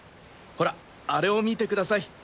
ほらあれを見てください。